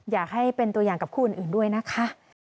อยากให้เป็นตัวอย่างกับคู่อื่นด้วยนะคะ